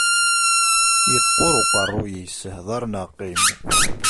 Yeqqur uqerruy-is, hder neɣ qqim.